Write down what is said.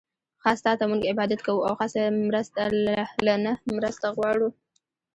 خاص تاته مونږ عبادت کوو، او خاص له نه مرسته غواړو